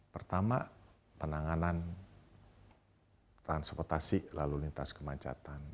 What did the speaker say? pertama penanganan transportasi lalu lintas kemacetan